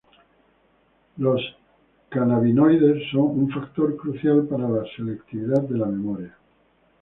Los cannabinoides son un factor crucial para la selectividad de la memoria.